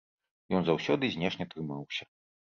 Ён заўсёды знешне трымаўся.